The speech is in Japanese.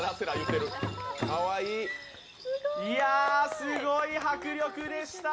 いや、すごい迫力でした。